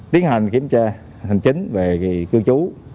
tiến hành kiểm tra hành chính về cư chú